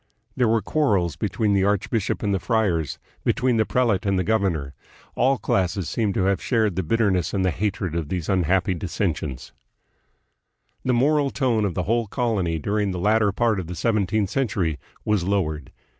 There were quarrels between the archbishop and the friars, between the prelate and the governor. All classes seem to have shared the bitterness and the hatred of these unhappy dissensions. The moral tone of the whole colony during the latter part of the seventeenth century was lowered.